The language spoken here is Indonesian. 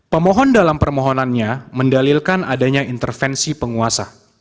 pemohon dalam permohonannya mendalilkan adanya intervensi penguasa